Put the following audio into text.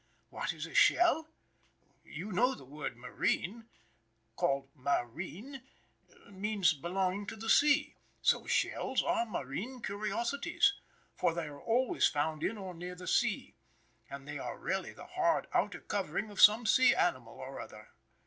What is a shell? You know the word "marine," called ma reen, means belonging to the sea, so shells are marine curiosities, for they are always found in or near the sea. And they are really the hard, outer covering of some sea animal or other.